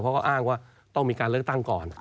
เขาก็อ้างว่าต้องมีการเลือกตั้งก่อน